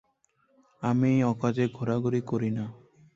আমি অকাজে ঘোরাঘুরি করি না।